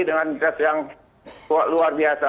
dengan cat yang luar biasa